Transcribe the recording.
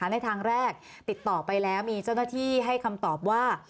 ในทางแรกติดต่อไปแล้วมีเจ้าหน้าที่ให้คำตอบว่า